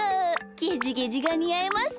ゲジゲジがにあいますね。